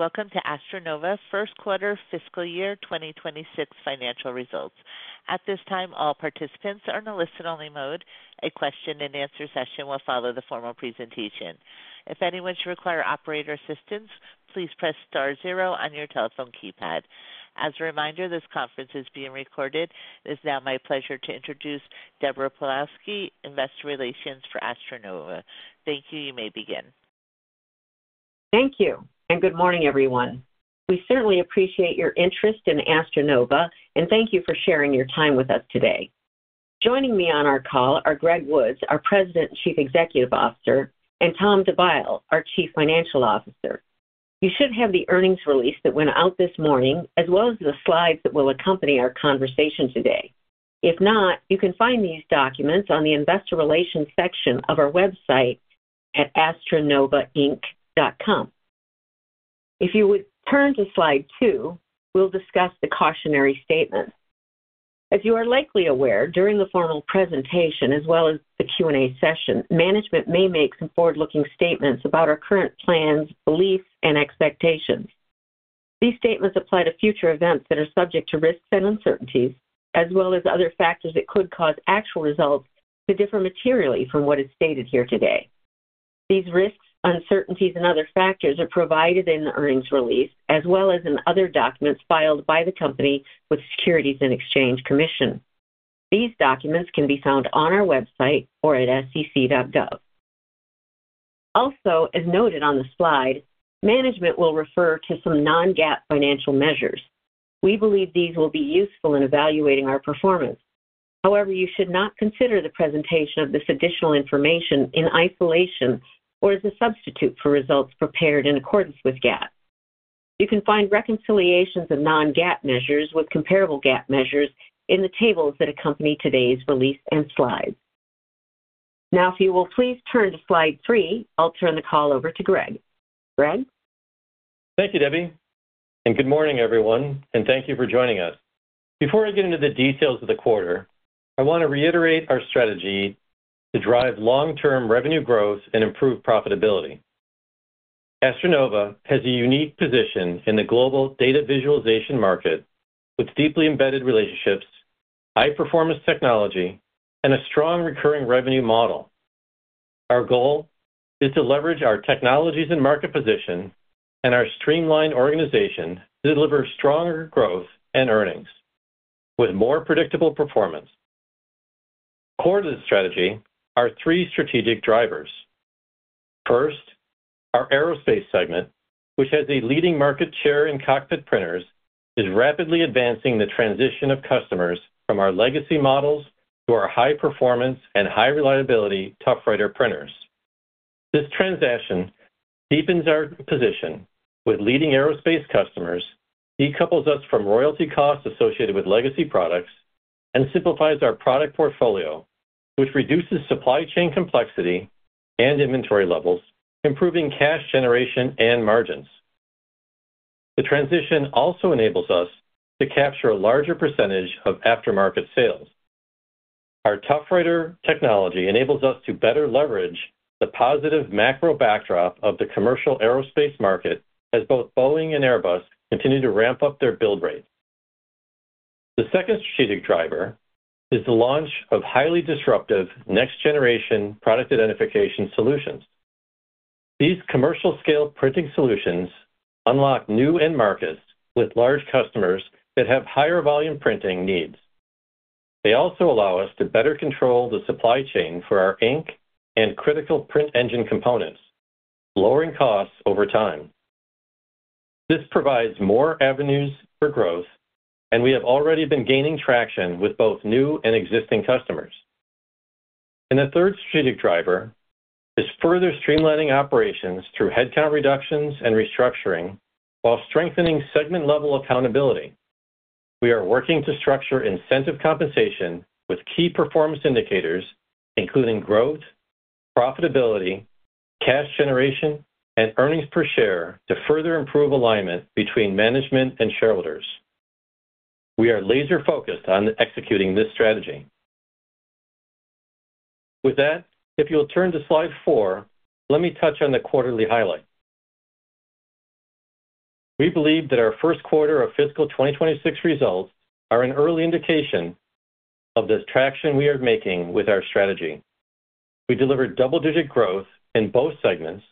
Welcome to AstroNova's First-Quarter Fiscal Year 2026 Financial Results. At this time, all participants are in a listen-only mode. A question-and-answer session will follow the formal presentation. If anyone should require operator assistance, please press star zero on your telephone keypad. As a reminder, this conference is being recorded. It is now my pleasure to introduce Deborah Pawlowski, Investor Relations for AstroNova. Thank you. You may begin. Thank you, and good morning, everyone. We certainly appreciate your interest in AstroNova, and thank you for sharing your time with us today. Joining me on our call are Greg Woods, our President and Chief Executive Officer, and Tom DeByle, our Chief Financial Officer. You should have the earnings release that went out this morning, as well as the slides that will accompany our conversation today. If not, you can find these documents on the Investor Relations section of our website at astronovainc.com. If you would turn to slide two, we'll discuss the cautionary statements. As you are likely aware, during the formal presentation, as well as the Q&A session, management may make some forward-looking statements about our current plans, beliefs, and expectations. These statements apply to future events that are subject to risks and uncertainties, as well as other factors that could cause actual results to differ materially from what is stated here today. These risks, uncertainties, and other factors are provided in the earnings release, as well as in other documents filed by the company with the Securities and Exchange Commission. These documents can be found on our website or at sec.gov. Also, as noted on the slide, management will refer to some non-GAAP financial measures. We believe these will be useful in evaluating our performance. However, you should not consider the presentation of this additional information in isolation or as a substitute for results prepared in accordance with GAAP. You can find reconciliations of non-GAAP measures with comparable GAAP measures in the tables that accompany today's release and slides. Now, if you will please turn to slide three, I'll turn the call over to Greg. Greg? Thank you, Debbie, and good morning, everyone, and thank you for joining us. Before I get into the details of the quarter, I want to reiterate our strategy to drive long-term revenue growth and improve profitability. AstroNova has a unique position in the global data visualization market with deeply embedded relationships, high-performance technology, and a strong recurring revenue model. Our goal is to leverage our technologies and market position and our streamlined organization to deliver stronger growth and earnings. With more predictable performance, core to the strategy are three strategic drivers. First, our aerospace segment, which has a leading market share in cockpit printers, is rapidly advancing the transition of customers from our legacy models to our high-performance and high-reliability ToughWriter printers. This transition deepens our position with leading aerospace customers, decouples us from royalty costs associated with legacy products, and simplifies our product portfolio, which reduces supply chain complexity and inventory levels, improving cash generation and margins. The transition also enables us to capture a larger percentage of aftermarket sales. Our ToughWriter technology enables us to better leverage the positive macro backdrop of the commercial aerospace market as both Boeing and Airbus continue to ramp up their build rate. The second strategic driver is the launch of highly disruptive next-generation product identification solutions. These commercial-scale printing solutions unlock new end markets with large customers that have higher volume printing needs. They also allow us to better control the supply chain for our ink and critical print engine components, lowering costs over time. This provides more avenues for growth, and we have already been gaining traction with both new and existing customers. The third strategic driver is further streamlining operations through headcount reductions and restructuring while strengthening segment-level accountability. We are working to structure incentive compensation with key performance indicators, including growth, profitability, cash generation, and earnings per share to further improve alignment between management and shareholders. We are laser-focused on executing this strategy. If you'll turn to slide four, let me touch on the quarterly highlight. We believe that our first quarter of fiscal 2026 results are an early indication of the traction we are making with our strategy. We delivered double-digit growth in both segments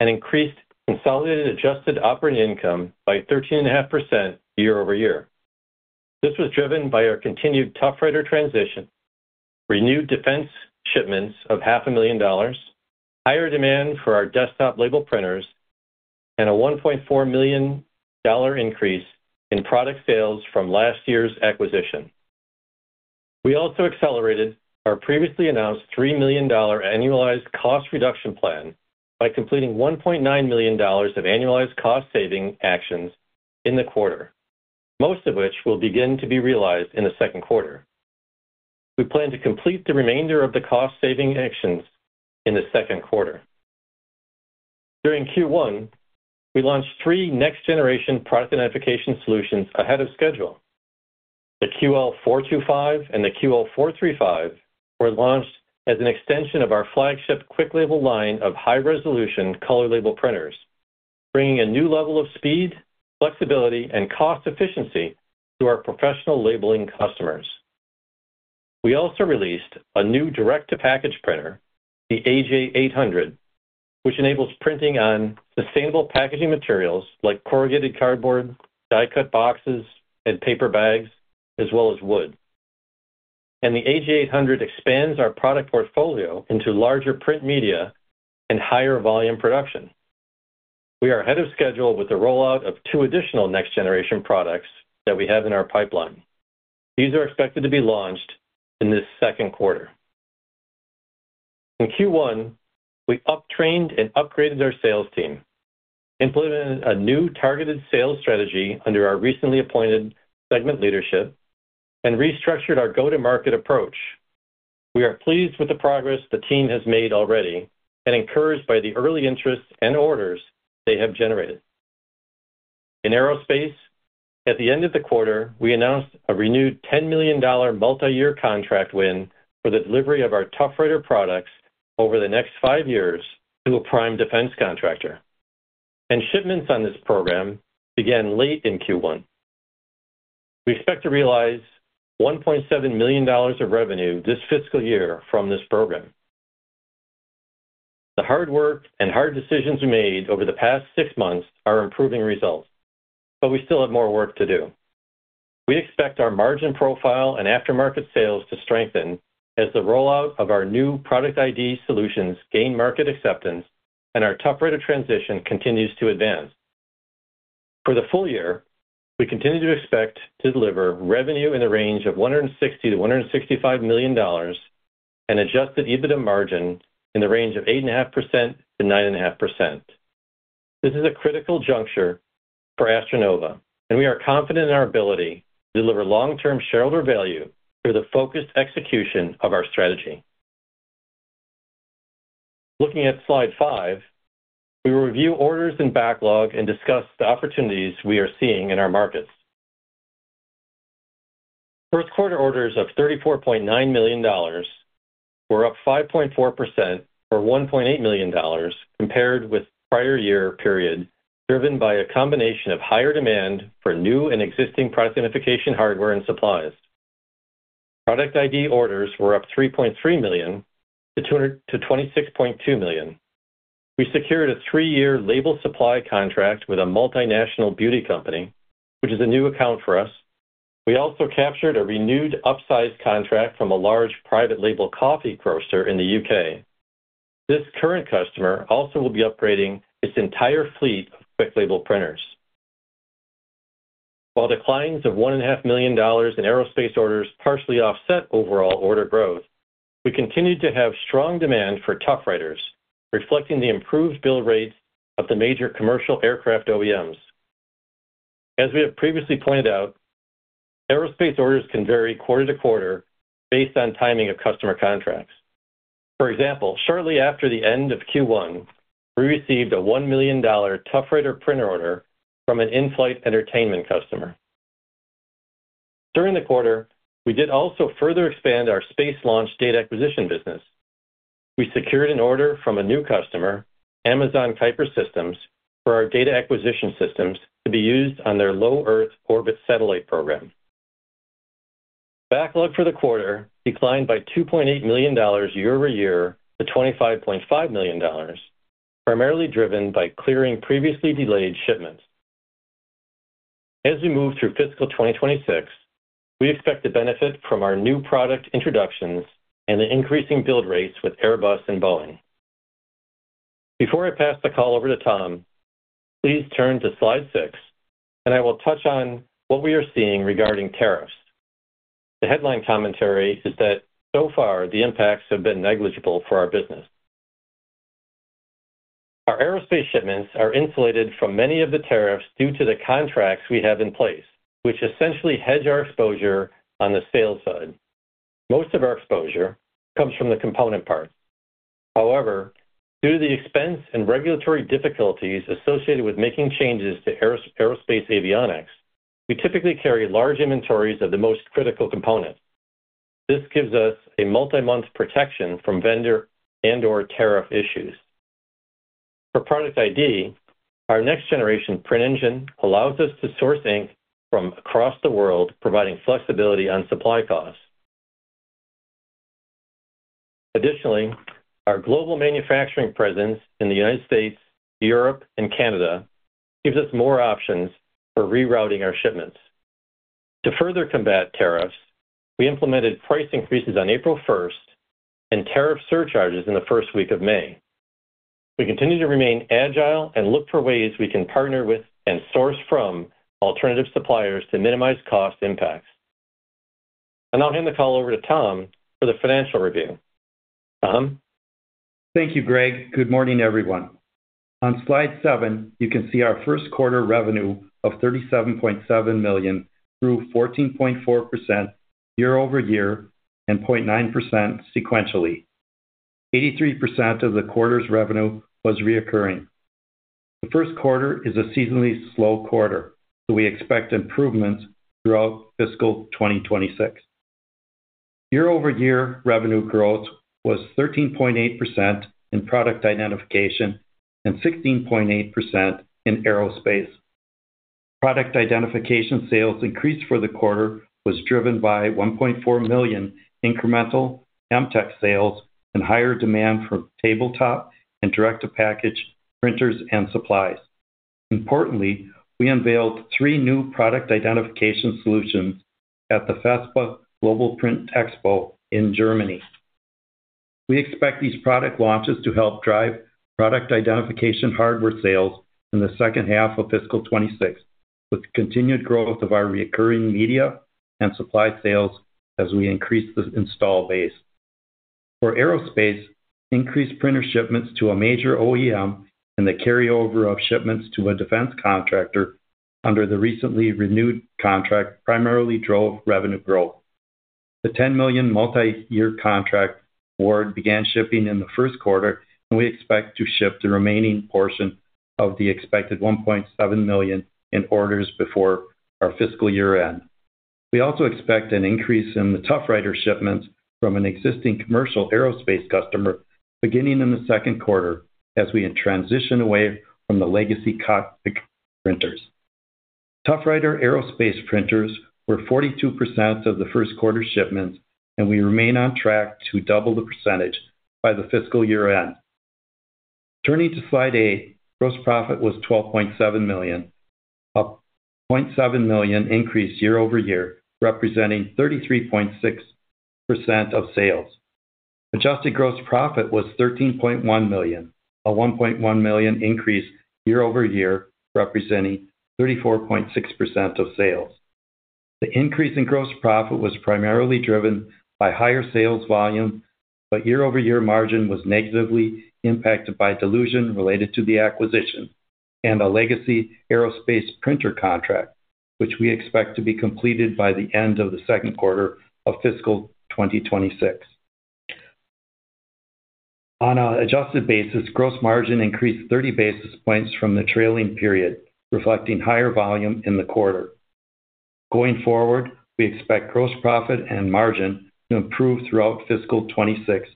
and increased consolidated adjusted operating income by 13.5% year-over-year. This was driven by our continued ToughWriter transition, renewed defense shipments of $500,000, higher demand for our desktop label printers, and a $1.4 million increase in product sales from last year's acquisition. We also accelerated our previously announced $3 million annualized cost reduction plan by completing $1.9 million of annualized cost-saving actions in the quarter, most of which will begin to be realized in the second quarter. We plan to complete the remainder of the cost-saving actions in the second quarter. During Q1, we launched three next-generation product identification solutions ahead of schedule. The QL425 and the QL435 were launched as an extension of our flagship Quick Label line of high-resolution color label printers, bringing a new level of speed, flexibility, and cost efficiency to our professional labeling customers. We also released a new direct-to-package printer, the AJ800, which enables printing on sustainable packaging materials like corrugated cardboard, die-cut boxes, and paper bags, as well as wood. The AJ800 expands our product portfolio into larger print media and higher volume production. We are ahead of schedule with the rollout of two additional next-generation products that we have in our pipeline. These are expected to be launched in this second quarter. In Q1, we up-trained and upgraded our sales team, implemented a new targeted sales strategy under our recently appointed segment leadership, and restructured our go-to-market approach. We are pleased with the progress the team has made already and encouraged by the early interest and orders they have generated. In aerospace, at the end of the quarter, we announced a renewed $10 million multi-year contract win for the delivery of our ToughWriter products over the next five years to a prime defense contractor. Shipments on this program began late in Q1. We expect to realize $1.7 million of revenue this fiscal year from this program. The hard work and hard decisions we made over the past six months are improving results, but we still have more work to do. We expect our margin profile and aftermarket sales to strengthen as the rollout of our new product ID solutions gains market acceptance and our ToughWriter transition continues to advance. For the full year, we continue to expect to deliver revenue in the range of $160-$165 million and adjusted EBITDA margin in the range of 8.5%-9.5%. This is a critical juncture for AstroNova, and we are confident in our ability to deliver long-term shareholder value through the focused execution of our strategy. Looking at slide five, we will review orders and backlog and discuss the opportunities we are seeing in our markets. First-quarter orders of $34.9 million were up 5.4% or $1.8 million compared with the prior year period, driven by a combination of higher demand for new and existing product identification hardware and supplies. Product ID orders were up $3.3 million-$26.2 million. We secured a three-year label supply contract with a multinational beauty company, which is a new account for us. We also captured a renewed upsize contract from a large private label coffee grocer in the U.K. This current customer also will be upgrading its entire fleet of Quick Label printers. While declines of $1.5 million in aerospace orders partially offset overall order growth, we continue to have strong demand for ToughWriters, reflecting the improved build rates of the major commercial aircraft OEMs. As we have previously pointed out, aerospace orders can vary quarter-to-quarter based on timing of customer contracts. For example, shortly after the end of Q1, we received a $1 million ToughWriter printer order from an in-flight entertainment customer. During the quarter, we did also further expand our space launch data acquisition business. We secured an order from a new customer, Amazon Kuiper Systems, for our data acquisition systems to be used on their low Earth orbit satellite program. Backlog for the quarter declined by $2.8 million year-over-year to $25.5 million, primarily driven by clearing previously delayed shipments. As we move through fiscal 2026, we expect to benefit from our new product introductions and the increasing build rates with Airbus and Boeing. Before I pass the call over to Tom, please turn to slide six, and I will touch on what we are seeing regarding tariffs. The headline commentary is that so far the impacts have been negligible for our business. Our aerospace shipments are insulated from many of the tariffs due to the contracts we have in place, which essentially hedge our exposure on the sales side. Most of our exposure comes from the component parts. However, due to the expense and regulatory difficulties associated with making changes to aerospace avionics, we typically carry large inventories of the most critical components. This gives us a multi-month protection from vendor and/or tariff issues. For product ID, our next-generation print engine allows us to source ink from across the world, providing flexibility on supply costs. Additionally, our global manufacturing presence in the United States, Europe, and Canada gives us more options for rerouting our shipments. To further combat tariffs, we implemented price increases on April 1st and tariff surcharges in the first week of May. We continue to remain agile and look for ways we can partner with and source from alternative suppliers to minimize cost impacts. I'll hand the call over to Tom for the financial review. Tom? Thank you, Greg. Good morning, everyone. On slide seven, you can see our first quarter revenue of $37.7 million grew 14.4% year-over-year and 0.9% sequentially. 83% of the quarter's revenue was recurring. The first quarter is a seasonally slow quarter, so we expect improvements throughout fiscal 2026. Year-over-year revenue growth was 13.8% in product identification and 16.8% in aerospace. Product identification sales increased for the quarter was driven by $1.4 million incremental MTEC sales and higher demand for tabletop and direct-to-package printers and supplies. Importantly, we unveiled three new product identification solutions at the FESPA Global Print Expo in Germany. We expect these product launches to help drive product identification hardware sales in the second half of fiscal 2026, with continued growth of our recurring media and supply sales as we increase the install base. For aerospace, increased printer shipments to a major OEM and the carryover of shipments to a defense contractor under the recently renewed contract primarily drove revenue growth. The $10 million multi-year contract award began shipping in the first quarter, and we expect to ship the remaining portion of the expected $1.7 million in orders before our fiscal year-end. We also expect an increase in the ToughWriter shipments from an existing commercial aerospace customer beginning in the second quarter as we transition away from the legacy cockpit printers. ToughWriter aerospace printers were 42% of the first quarter shipments, and we remain on track to double the percentage by the fiscal year-end. Turning to slide eight, gross profit was $12.7 million, a $0.7 million increase year-over-year, representing 33.6% of sales. Adjusted gross profit was $13.1 million, a $1.1 million increase year-over-year, representing 34.6% of sales. The increase in gross profit was primarily driven by higher sales volume, but year-over-year margin was negatively impacted by dilution related to the acquisition and a legacy aerospace printer contract, which we expect to be completed by the end of the second quarter of fiscal 2026. On an adjusted basis, gross margin increased 30 basis points from the trailing period, reflecting higher volume in the quarter. Going forward, we expect gross profit and margin to improve throughout fiscal 2026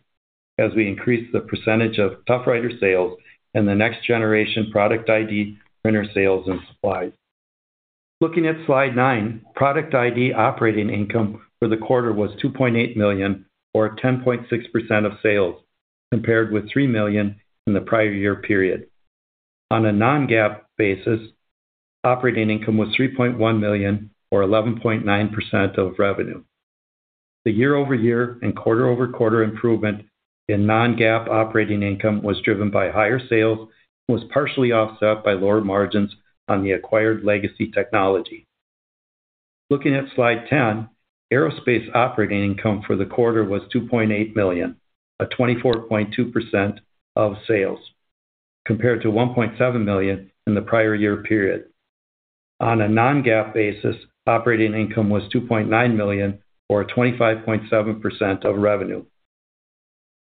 as we increase the percentage of ToughWriter sales and the next-generation product ID printer sales and supplies. Looking at slide nine, product ID operating income for the quarter was $2.8 million, or 10.6% of sales, compared with $3 million in the prior year period. On a non-GAAP basis, operating income was $3.1 million, or 11.9% of revenue. The year-over-year and quarter-over-quarter improvement in non-GAAP operating income was driven by higher sales and was partially offset by lower margins on the acquired legacy technology. Looking at slide 10, aerospace operating income for the quarter was $2.8 million, a 24.2% of sales, compared to $1.7 million in the prior year period. On a non-GAAP basis, operating income was $2.9 million, or 25.7% of revenue.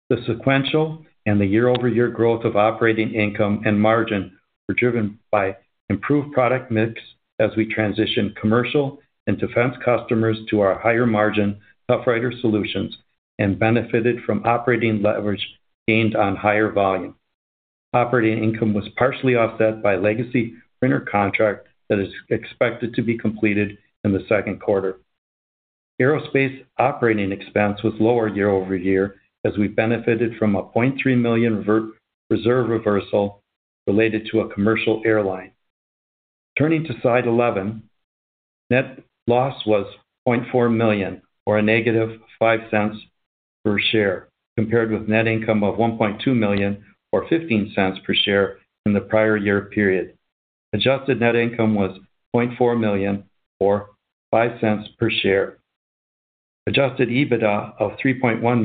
The sequential and the year-over-year growth of operating income and margin were driven by improved product mix as we transitioned commercial and defense customers to our higher margin ToughWriter solutions and benefited from operating leverage gained on higher volume. Operating income was partially offset by legacy printer contract that is expected to be completed in the second quarter. Aerospace operating expense was lower year-over-year as we benefited from a $0.3 million reserve reversal related to a commercial airline. Turning to slide 11, net loss was $0.4 million, or a negative $0.05 per share, compared with net income of $1.2 million, or $0.15 per share in the prior year period. Adjusted net income was $0.4 million, or $0.05 per share. Adjusted EBITDA of $3.1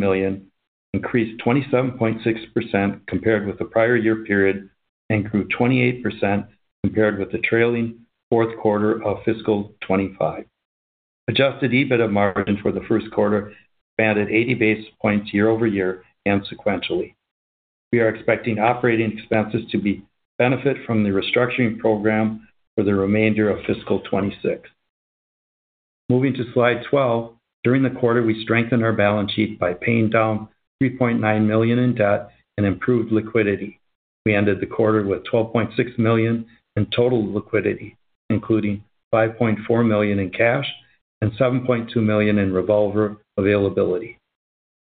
million increased 27.6% compared with the prior year period and grew 28% compared with the trailing fourth quarter of fiscal 2025. Adjusted EBITDA margin for the first quarter expanded 80 basis points year-over-year and sequentially. We are expecting operating expenses to benefit from the restructuring program for the remainder of fiscal 2026. Moving to slide 12, during the quarter, we strengthened our balance sheet by paying down $3.9 million in debt and improved liquidity. We ended the quarter with $12.6 million in total liquidity, including $5.4 million in cash and $7.2 million in revolver availability.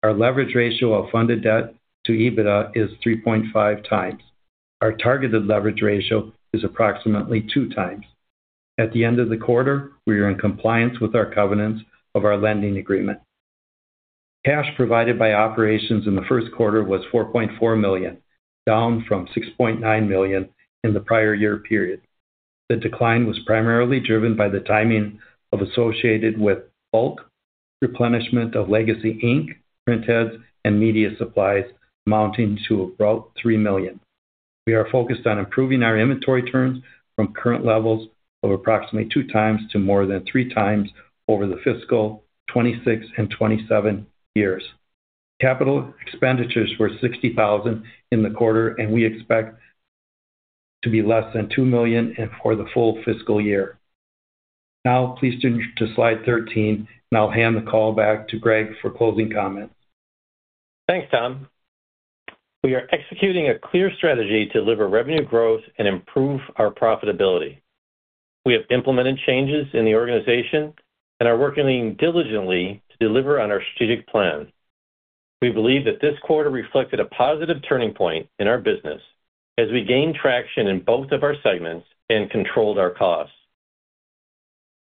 Our leverage ratio of funded debt to EBITDA is 3.5 times. Our targeted leverage ratio is approximately 2 times. At the end of the quarter, we are in compliance with our covenants of our lending agreement. Cash provided by operations in the first quarter was $4.4 million, down from $6.9 million in the prior year period. The decline was primarily driven by the timing associated with bulk replenishment of legacy ink, printheads, and media supplies amounting to about $3 million. We are focused on improving our inventory turns from current levels of approximately 2 times to more than 3 times over the fiscal 2026 and 2027 years. Capital expenditures were $60,000 in the quarter, and we expect to be less than $2 million for the full fiscal year. Now, please turn to slide 13, and I'll hand the call back to Greg for closing comments. Thanks, Tom. We are executing a clear strategy to deliver revenue growth and improve our profitability. We have implemented changes in the organization and are working diligently to deliver on our strategic plan. We believe that this quarter reflected a positive turning point in our business as we gained traction in both of our segments and controlled our costs.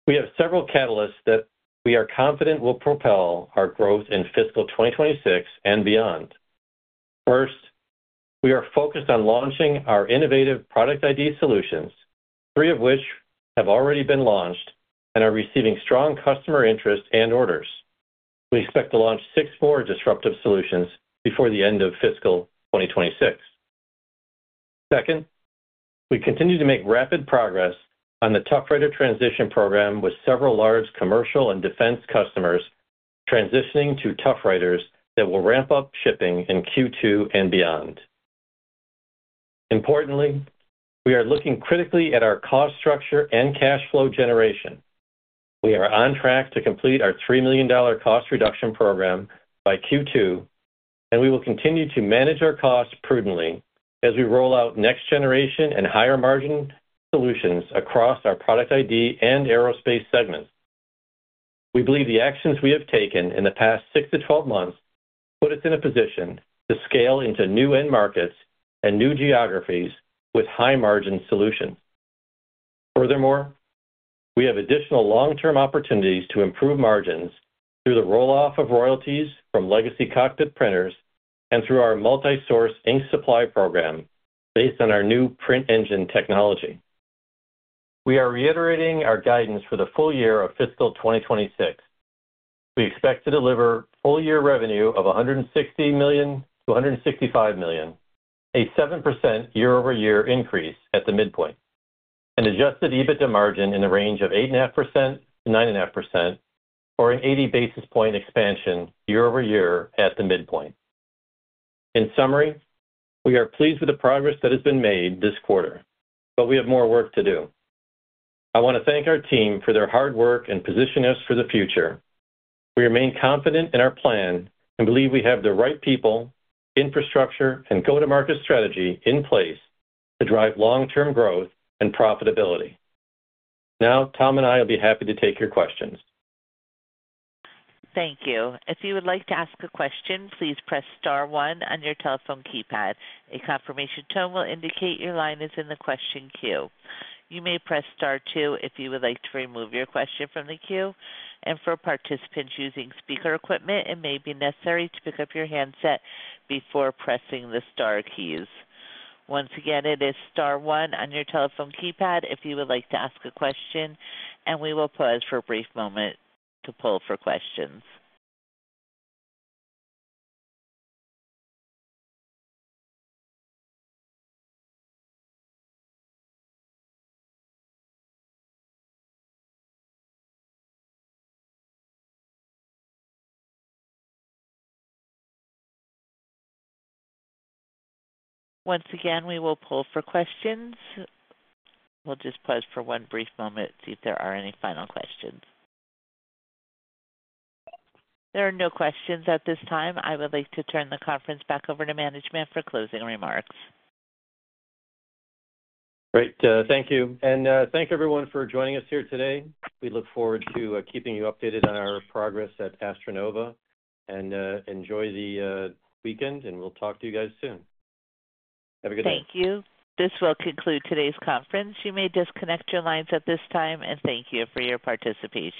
We have several catalysts that we are confident will propel our growth in fiscal 2026 and beyond. First, we are focused on launching our innovative product ID solutions, three of which have already been launched and are receiving strong customer interest and orders. We expect to launch six more disruptive solutions before the end of fiscal 2026. Second, we continue to make rapid progress on the ToughWriter transition program with several large commercial and defense customers transitioning to ToughWriters that will ramp up shipping in Q2 and beyond. Importantly, we are looking critically at our cost structure and cash flow generation. We are on track to complete our $3 million cost reduction program by Q2, and we will continue to manage our costs prudently as we roll out next-generation and higher-margin solutions across our product ID and aerospace segments. We believe the actions we have taken in the past 6-12 months put us in a position to scale into new end markets and new geographies with high-margin solutions. Furthermore, we have additional long-term opportunities to improve margins through the rollout of royalties from legacy cockpit printers and through our multi-source ink supply program based on our new print engine technology. We are reiterating our guidance for the full year of fiscal 2026. We expect to deliver full-year revenue of $160 million-$165 million, a 7% year-over-year increase at the midpoint, and adjusted EBITDA margin in the range of 8.5%-9.5%, or an 80 basis point expansion year-over-year at the midpoint. In summary, we are pleased with the progress that has been made this quarter, but we have more work to do. I want to thank our team for their hard work and position us for the future. We remain confident in our plan and believe we have the right people, infrastructure, and go-to-market strategy in place to drive long-term growth and profitability. Now, Tom and I will be happy to take your questions. Thank you. If you would like to ask a question, please press star one on your telephone keypad. A confirmation tone will indicate your line is in the question queue. You may press star two if you would like to remove your question from the queue. For participants using speaker equipment, it may be necessary to pick up your handset before pressing the star keys. Once again, it is star one on your telephone keypad if you would like to ask a question. We will pause for a brief moment to poll for questions. Once again, we will poll for questions. We'll just pause for one brief moment to see if there are any final questions. There are no questions at this time. I would like to turn the conference back over to management for closing remarks. Great. Thank you. Thank everyone for joining us here today. We look forward to keeping you updated on our progress at AstroNova. Enjoy the weekend, and we'll talk to you guys soon. Have a good day. Thank you. This will conclude today's conference. You may disconnect your lines at this time, and thank you for your participation.